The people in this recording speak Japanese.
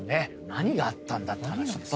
何があったんだって話ですよ。